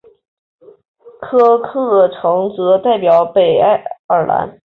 科克城则代表北爱尔兰。